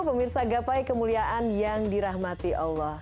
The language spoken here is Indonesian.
pemirsa gapai kemuliaan yang dirahmati allah